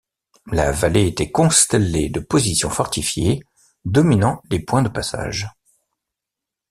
La vallée était constellée de positions fortifiées dominant les points de passage.